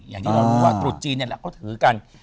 อย่างที่เรารู้ว่าตรุษจีนนี่แหละเขาถือกัน